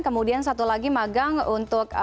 kemudian satu lagi magang untuk